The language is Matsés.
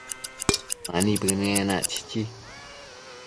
Mani bënë enac, chichi